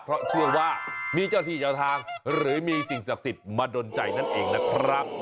เพราะเชื่อว่ามีเจ้าที่เจ้าทางหรือมีสิ่งศักดิ์สิทธิ์มาดนใจนั่นเองนะครับ